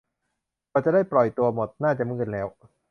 กว่าจะได้ปล่อยตัวหมด น่าจะมืดแล้ว